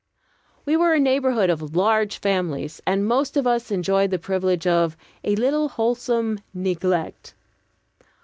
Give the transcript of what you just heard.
We were a neighborhood of large families, and most of us enjoyed the privilege of "a little wholesome neglect."